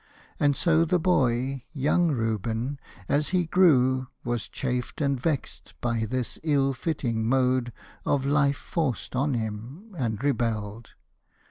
And so the boy, young Reuben, as he grew, Was chafed and vexed by this ill fitting mode Of life forced on him, and rebelled.